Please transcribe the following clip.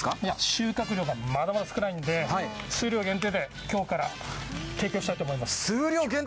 収穫量がまだまだ少ないんで、数量限定で今日から提供したいと思います。